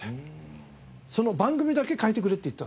その番組だけ変えてくれって言ったんですよ。